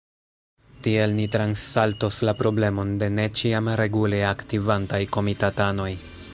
Tiel ni transsaltos la problemon de ne ĉiam regule aktivantaj komitatanoj.